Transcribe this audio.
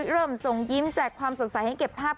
เริ่มส่งยิ้มแจกความสดใสให้เก็บภาพ